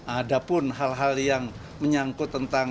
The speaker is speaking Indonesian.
ada pun hal hal yang menyangkut tentang